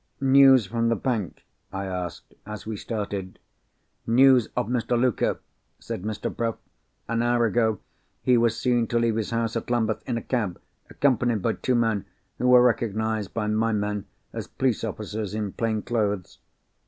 "News from the bank?" I asked, as we started. "News of Mr. Luker," said Mr. Bruff. "An hour ago, he was seen to leave his house at Lambeth, in a cab, accompanied by two men, who were recognised by my men as police officers in plain clothes.